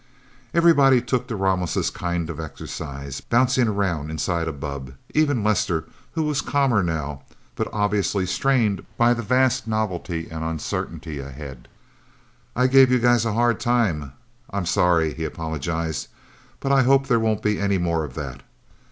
Everybody took to Ramos' kind of exercise, bouncing around inside a bubb even Lester, who was calmer, now, but obviously strained by the vast novelty and uncertainty ahead. "I gave you guys a hard time I'm sorry," he apologized. "But I hope there won't be any more of that.